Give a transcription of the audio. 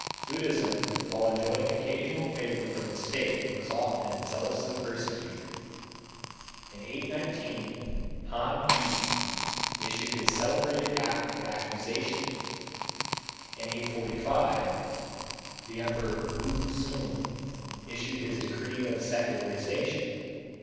Buddhism while enjoying occasional favor from the state was often zealously persecuted. In 819 Han Yü issued his celebrated act of accusation. In 845 the emperor Wu Tsung issued his decree of secularization.